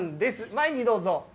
前にどうぞ。